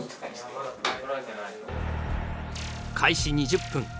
開始２０分